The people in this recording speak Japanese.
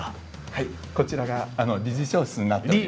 はいこちらが理事長室になっております。